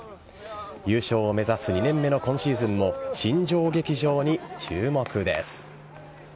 優勝を目指す２年目の今シーズンも新庄劇場に注目です。